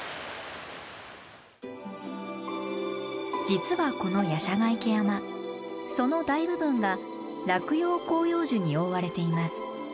実はこの夜叉ヶ池山その大部分が落葉広葉樹に覆われています。